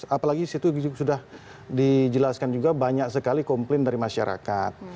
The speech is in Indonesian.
apalagi situ sudah dijelaskan juga banyak sekali komplain dari masyarakat